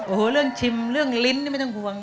โอ้โหเรื่องชิมเรื่องลิ้นนี่ไม่ต้องห่วง